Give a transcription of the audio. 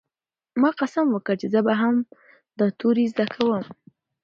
ما قسم وکړ چې زه به هم دا توري زده کوم.